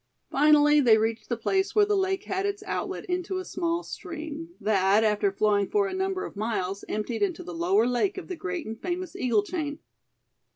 Finally they reached the place where the lake had its outlet into a small stream, that, after flowing for a number of miles, emptied into the Lower Lake of the great and famous Eagle chain.